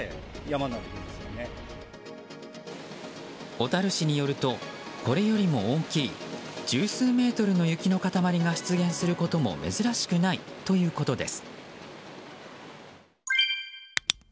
小樽市によるとこれよりも大きい十数メートルの雪の塊が出現することも珍しくないということです。